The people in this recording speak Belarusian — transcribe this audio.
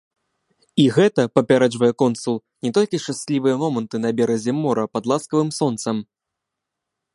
І гэта, папярэджвае консул, не толькі шчаслівыя моманты на беразе мора пад ласкавым сонцам.